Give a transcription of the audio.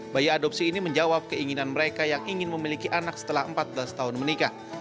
bayi adopsi ini menjawab keinginan mereka yang ingin memiliki anak setelah empat belas tahun menikah